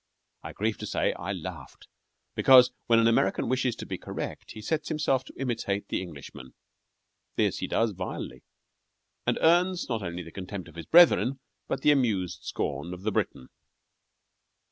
I grieve to say I laughed, because when an American wishes to be correct he sets himself to imitate the Englishman. This he does vilely, and earns not only the contempt of his brethren, but the amused scorn of the Briton.